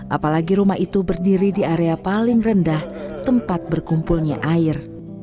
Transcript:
apalagi rumah itu berdiri di area paling rendah tempat berkumpulnya air